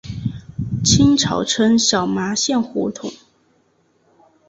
清朝称小麻线胡同。